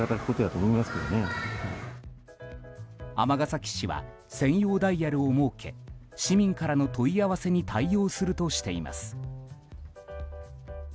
尼崎市は専用ダイヤルを設け市民からの問い合わせに対応するとしています。